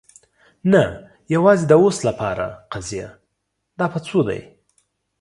نه، یوازې د اوس لپاره قضیه. دا په څو دی؟